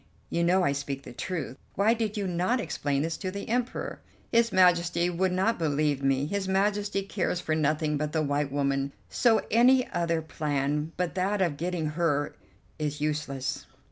You know I speak the truth; why did you not explain this to the Emperor?" "His Majesty would not believe me; his Majesty cares for nothing but the white woman; so any other plan but that of getting her is useless."